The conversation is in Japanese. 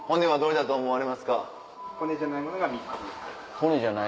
はい！